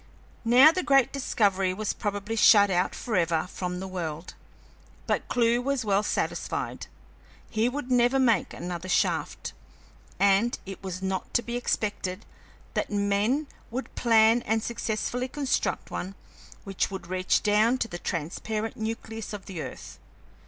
Now the great discovery was probably shut out forever from the world, but Clewe was well satisfied. He would never make another shaft, and it was not to be expected that men would plan and successfully construct one which would reach down to the transparent nucleus of the earth.